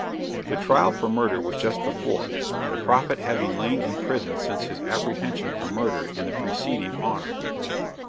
The trial for murder was just before the prophet having lain in prison since his apprehension for murder in the preceding autumn.